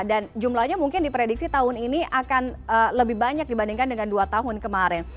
dan jumlahnya mungkin diprediksi tahun ini akan lebih banyak dibandingkan dengan dua tahun kemarin